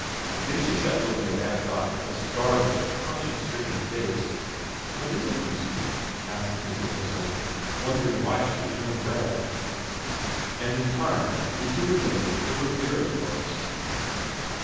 Then she sat looking up at Aunt Dot with a startled, conscience stricken face. ' What is it, Lucy ?' asked Miss Entwhistle, wonder ing why she had turned red. Just in time Lucy remembered that there were Vera's books.